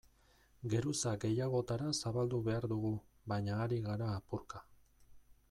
Geruza gehiagotara zabaldu behar dugu, baina ari gara apurka.